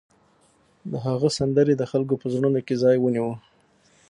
د هغه سندرې د خلکو په زړونو کې ځای ونیو